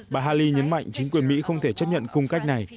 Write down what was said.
bà hali nhấn mạnh chính quyền mỹ không thể chấp nhận cung cách này